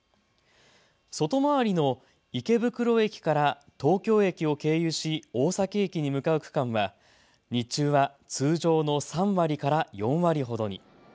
外回りの池袋駅から東京駅を経由し大崎駅に向かう区間は日中は通常の３割から４割ほどに。